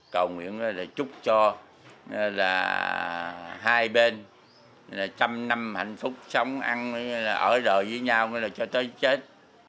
cầu nguyện là chúc cho là hai bên trăm năm hạnh phúc sống ăn ở đời với nhau cho tới chết